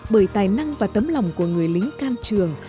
bởi tài năng và tấm lòng của người lính can trường